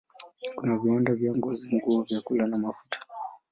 Kuna viwanda vya ngozi, nguo, vyakula na mafuta.